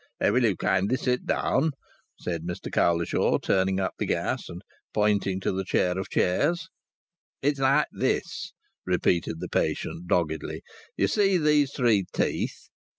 "Will you kindly sit down," said Mr Cowlishaw, turning up the gas, and pointing to the chair of chairs. "It's like this," repeated the patient, doggedly. "You see these three teeth?"